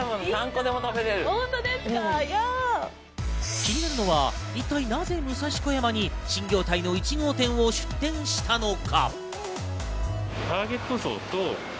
気になるのは一体なぜ武蔵小山に新業態の１号店を出店したのか。